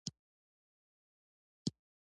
ماته مالي راپور چمتو کړه